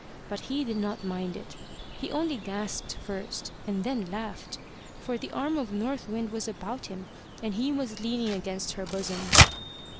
But he did not mind it. He only gasped first and then laughed, for the arm of North Wind was about him, and he was leaning against her bosom.